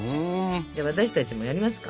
じゃあ私たちもやりますか？